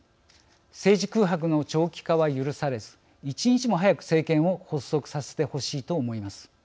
政治空白の長期化は許されず１日も早く政権を発足させてほしいと思います。